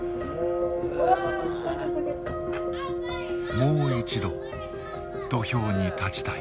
もう一度土俵に立ちたい。